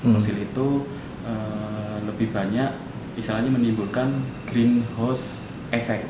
fosil itu lebih banyak menimbulkan green house effect